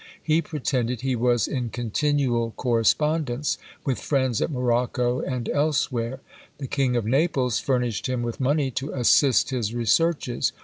He pretended he was in continual correspondence with friends at Morocco and elsewhere. The King of Naples furnished him with money to assist his researches.